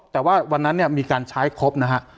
แต่ว่าวันนั้นเนี่ยมีการใช้ครบนะฮะ